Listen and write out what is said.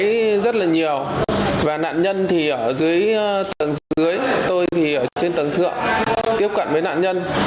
tôi thấy rất là nhiều và nạn nhân thì ở dưới tầng dưới tôi thì ở trên tầng thượng tiếp cận với nạn nhân